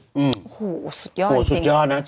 เฮ้อศุดยอดจริง